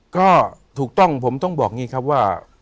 ก็ถูกต้องผมต้องบอกอย่างนี้ครับว่า